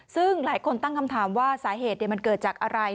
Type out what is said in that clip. ซึ่งหลายคนตั้งคำถามว่าสาเหตุมันเกิดจากอะไร